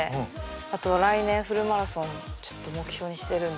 あと来年フルマラソンちょっと目標にしてるんで。